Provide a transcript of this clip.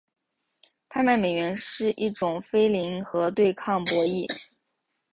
拍卖美元是一种非零和对抗博弈。